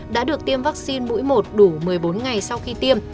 đã được tiêm vaccine mũi một đủ một mươi bốn ngày sau khi tiêm